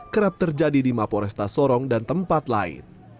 kerap terjadi di mapo restasoro dan tempat lain